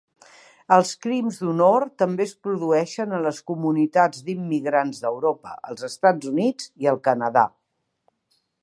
Els crims d'honor també es produeixen a les comunitats d'immigrants d'Europa, els Estats Units i el Canadà.